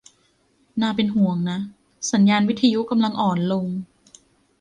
น่าเป็นห่วงนะ สัญญาณวิทยุกำลังอ่อนลง